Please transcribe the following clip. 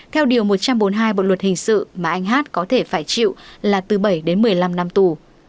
theo điều một trăm bốn mươi hai bộ luật hình sự mà anh hát có thể phải chịu là từ bảy đến một mươi năm năm tù